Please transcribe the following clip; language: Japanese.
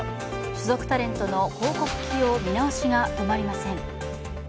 所属タレントの広告起用見直しが止まりません